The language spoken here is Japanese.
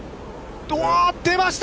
出ました！